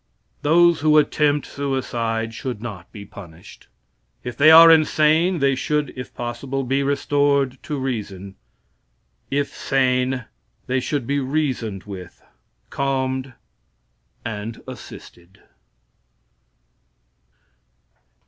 Those who attempt suicide should not be punished. If they are insane they should, if possible be restored to reason; if sane, they should be reasoned with, calmed and assisted.